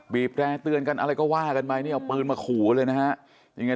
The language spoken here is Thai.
แร่เตือนกันอะไรก็ว่ากันไปเนี่ยเอาปืนมาขู่เลยนะฮะยังไง